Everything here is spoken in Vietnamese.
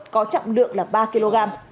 có trọng lượng là ba kg